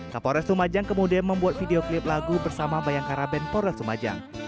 kapolres lumajang kemudian membuat video klip lagu bersama bayangkara ben polres lumajang